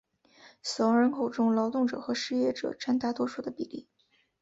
死亡人口中劳动者和失业者占大多数的比例。